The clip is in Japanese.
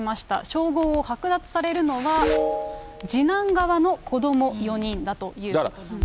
称号を剥奪されるのは、次男側の子ども４人だということなんです。